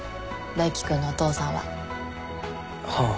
大樹君のお父さんは。はあ。